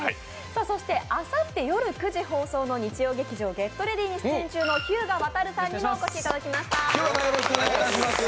そしてあさって夜９時放送の日曜劇場「ＧｅｔＲｅａｄｙ！」に出演中の日向亘さんにもお越しいただきました。